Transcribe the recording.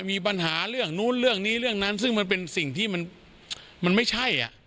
มีปัญหาเรื่องนู้นเรื่องนี้เรื่องนั้นซึ่งมันเป็นสิ่งที่มันไม่ใช่